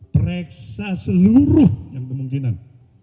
pereksa seluruh yang kemungkinan